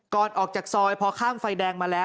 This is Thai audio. ก่อนออกจากซอยพอข้ามไฟแดงมาแล้ว